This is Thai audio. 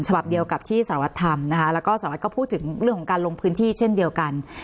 ฉบับเดียวกับที่สารวัตรทำนะคะแล้วก็สารวัตรก็พูดถึงเรื่องของการลงพื้นที่เช่นเดียวกัน